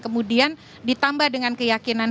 kemudian ditambah dengan keyakinan